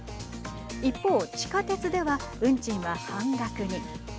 一方、地下鉄では運賃は半額に。